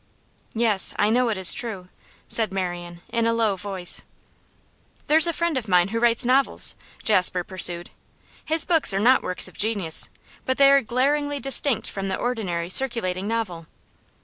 'Yes, I know it is true,' said Marian, in a low voice. 'There's a friend of mine who writes novels,' Jasper pursued. 'His books are not works of genius, but they are glaringly distinct from the ordinary circulating novel.